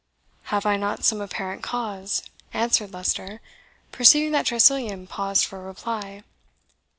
"Have I not some apparent cause?" answered Leicester, perceiving that Tressilian paused for a reply.